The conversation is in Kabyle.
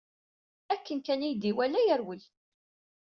Akken kan i yi-d-iwala, yerwel!